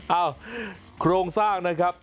โครงสร้างนะครับ